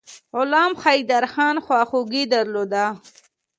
غلام حیدرخان خواخوږي درلوده.